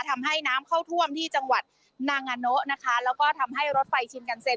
ทำให้น้ำเข้าท่วมที่จังหวัดนางาโนนะคะแล้วก็ทำให้รถไฟชินกันเซ็น